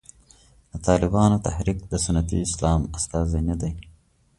د طالبانو تحریک د سنتي اسلام استازی نه دی.